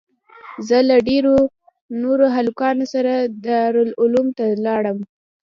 زه له درېو نورو هلکانو سره دارالعلوم ته ولاړم.